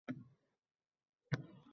ularni xafa qilib qo’yganga o’xshaymiz